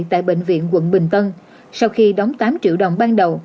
tại bệnh viện quận bình tân sau khi đóng tám triệu đồng ban đầu